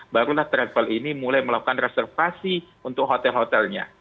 barulah travel ini mulai melakukan reservasi untuk hotel hotelnya